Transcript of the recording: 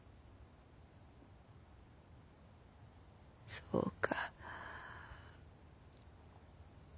そうか。